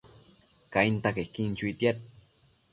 Cainta quequin chuitiad